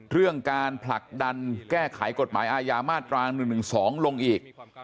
เรื่องการผลักดันแก้ไขกฎหมายอาญามาตรา๑๑๒ลงอีก